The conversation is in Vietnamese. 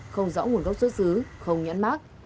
không rõ nguồn gốc xuất xứ không nhãn mát